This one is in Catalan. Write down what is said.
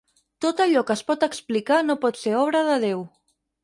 Tot allò que es pot explicar no pot ser obra de Déu.